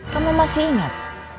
kamu masih ingat